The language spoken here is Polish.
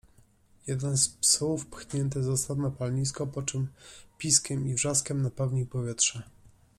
jeden z psów pchnięty został na palenisko, po czym piskiem i wrzaskiem napełnił powietrze